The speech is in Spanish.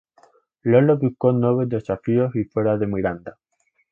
Lolo buscó nuevos desafíos y fuera de Miranda!